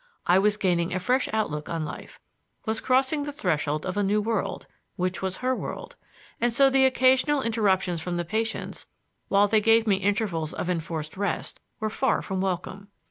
I was gaining a fresh outlook on life, was crossing the threshold of a new world (which was her world); and so the occasional interruptions from the patients, while they gave me intervals of enforced rest, were far from welcome.